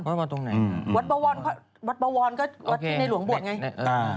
วัดบะวอนก็ในหลวงบวทไง